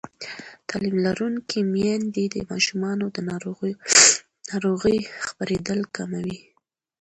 تعلیم لرونکې میندې د ماشومانو د ناروغۍ خپرېدل کموي.